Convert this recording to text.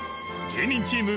芸人チーム